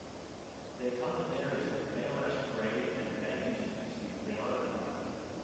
Their color varies from pale ash gray and beige to brown and black.